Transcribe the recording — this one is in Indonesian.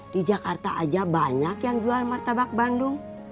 di jakarta aja banyak yang jual martabak bandung